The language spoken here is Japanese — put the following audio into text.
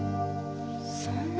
そんな。